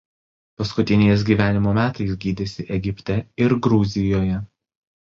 Paskutiniais gyvenimo metais gydėsi Egipte ir Gruzijoje.